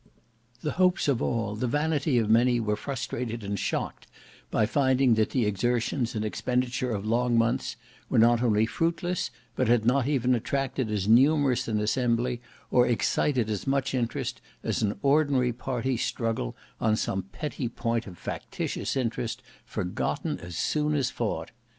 The hopes of all, the vanity of many, were frustrated and shocked by finding that the exertions and expenditure of long months were not only fruitless, but had not even attracted as numerous an assembly or excited as much interest, as an ordinary party struggle on some petty point of factitious interest forgotten as soon as fought.